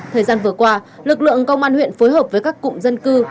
thời gian vừa qua lực lượng công an huyện phối hợp với các cụm dân cư